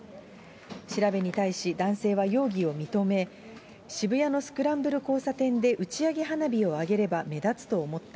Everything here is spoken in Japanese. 調べに対し、男性は容疑を認め、渋谷のスクランブル交差点で打ち上げ花火をあげれば目立つと思った。